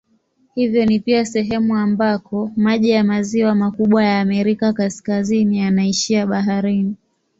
Hivyo ni pia sehemu ambako maji ya maziwa makubwa ya Amerika Kaskazini yanaishia baharini.